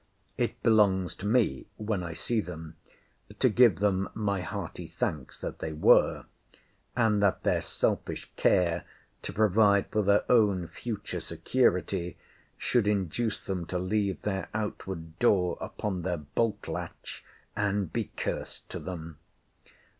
It belongs to me, when I see them, to give them my hearty thanks that they were; and that their selfish care to provide for their own future security, should induce them to leave their outward door upon their bolt latch, and be curs'd to them.